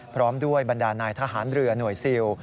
พร้อมด้วยบรรดานายทหารเรือหน่วยซิล